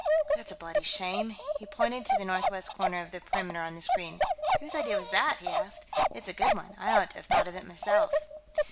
"That's a bloody shame!" He pointed to the northwest corner of the perimeter on the screen. "Whose idea was that?" he asked. "It's a good one; I ought to have thought of it, myself."